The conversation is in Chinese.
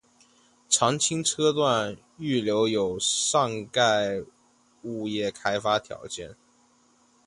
常青车辆段预留有上盖物业开发条件。